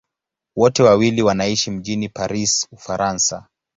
Wote wawili wanaishi mjini Paris, Ufaransa.